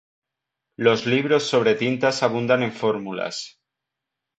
Los libros sobre tintas abundan en fórmulas.